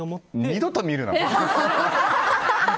二度と見るな！